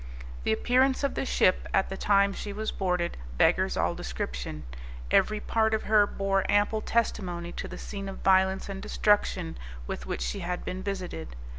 The appearance of the ship, at the time she was boarded, beggars all description; every part of her bore ample testimony of the scene of violence and destruction with which she had been visited.